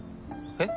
えっ？